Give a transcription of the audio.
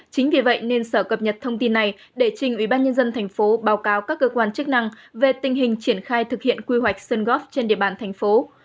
chính vì vậy nên sở cập nhật thông tin này để trình ubnd tp hcm báo cáo các cơ quan chức năng về tình hình triển khai thực hiện quy hoạch sân góp trên địa bàn tp hcm